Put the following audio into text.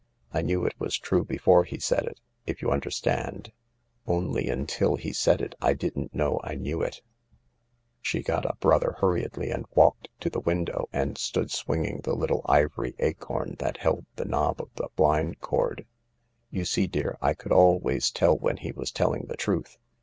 I knew it was true before he said it, if you understand only until he said it I didn't know I knew it." .»„/?* S f " P rSthe [ huiTiedl y and walked to the window, ofthTZtT* 5 ? 5 Jfe Kttk iVOTy aC0rn that held the of the blind cord. " You see, dear, I could always tell when he was telling the truth.